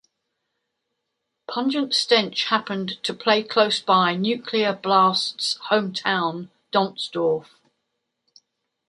Pungent Stench happened to play close by Nuclear Blast's hometown, Donzdorf.